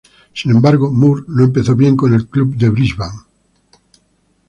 Sin embargo, Moore no empezó bien con el club de Brisbane.